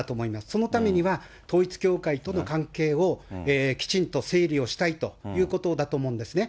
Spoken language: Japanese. そのためには、統一教会との関係をきちんと整理をしたいということだと思うんですね。